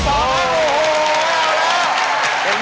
โอ้โหเอาแล้ว